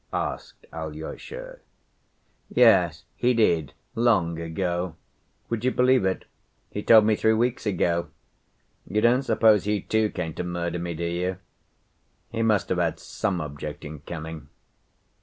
asked Alyosha. "Yes, he did, long ago. Would you believe it, he told me three weeks ago? You don't suppose he too came to murder me, do you? He must have had some object in coming."